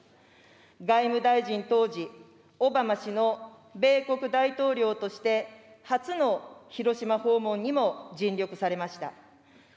外務大臣当時、オバマ氏の米国大統領として初の広島訪問にも尽力されました。